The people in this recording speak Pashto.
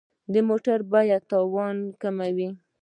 د موټر بیمه تاوان کموي.